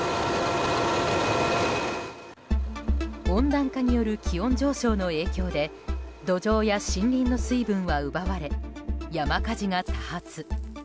温暖化による気温上昇の影響で土壌や森林の水分は奪われ山火事が多発。